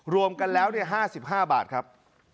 รวมกันแล้ว๕๕บาทครับ